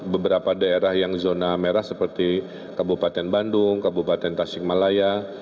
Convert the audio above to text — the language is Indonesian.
beberapa daerah yang zona merah seperti kabupaten bandung kabupaten tasikmalaya